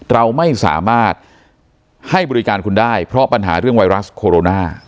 เราไม่สามารถให้บริการคุณได้เพราะปัญหาเรื่องไวรัสโคโรนา